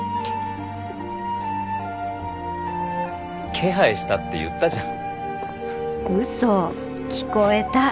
気配したって言ったじゃん。